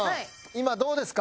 今どうですか？